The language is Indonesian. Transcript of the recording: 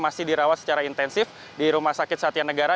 masih dirawat secara intensif di rumah sakit satianegara